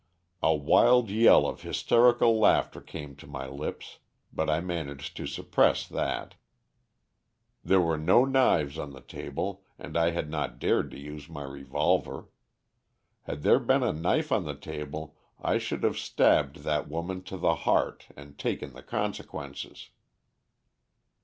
A wild yell of hysterical laughter came to my lips, but I managed to suppress that. There were no knives on the table, and I had not dared to use my revolver. Had there been a knife on the table I should have stabbed that woman to the heart and taken the consequences.